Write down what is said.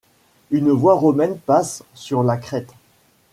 Une voie romaine passe sur la crête.